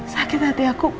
sakit hati aku pak